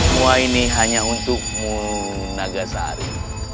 semua ini hanya untukmu nagasari